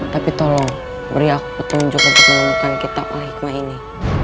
tapi tolong beri aku petunjuk untuk menemukan kita oleh hikmah ini